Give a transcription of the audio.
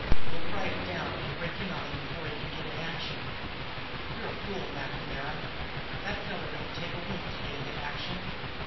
We'll pry it down and break in on him before he can get in action." "You're a fool, McNamara. That feller don't take a wink to get into action.